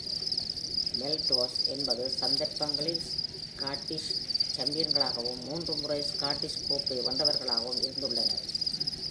மெல்ரோஸ் ஒன்பது சந்தர்ப்பங்களில் ஸ்காட்டிஷ் சாம்பியன்களாகவும், மூன்று முறை ஸ்காட்டிஷ் கோப்பை வென்றவர்களாகவும் இருந்துள்ளனர்.